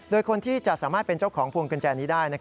โดยคนที่จะสามารถเป็นเจ้าของพวงกุญแจนี้ได้